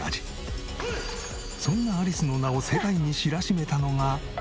そんなアリスの名を世界に知らしめたのが。